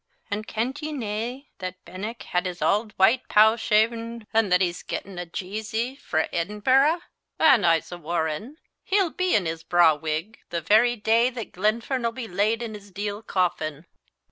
An' kent ye nae that Benenck had his auld white pow shaven, an' that he's gettin' a jeezy frae Edinburgh? an' I'se warran' he'll be in his braw wig the very day that Glenfern'll be laid in his deal coffin."